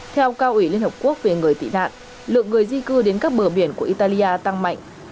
theo cao ủy liên hợp quốc về người tị nạn lượng người di cư đến các bờ biển của italia tăng mạnh